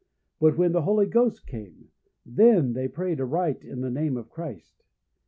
But when the Holy Ghost came, then they prayed aright in the name of Christ.